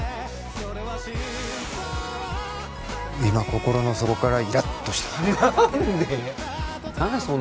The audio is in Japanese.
今心の底からイラッとした何で？